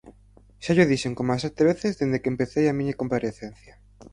Xa llo dixen como sete veces desde que empecei a miña comparecencia.